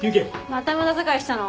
また無駄遣いしたの？